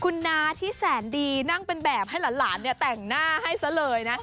คุณน้าที่แสนดีนั่งเป็นแบบให้หลานแต่งหน้าให้ซะเลยนะ